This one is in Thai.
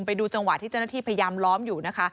ไปดูจังหวะที่เจ้าหน้าที่พยายามล้อมอยู่นะคะ